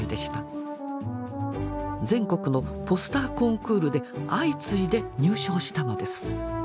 全国のポスターコンクールで相次いで入賞したのです。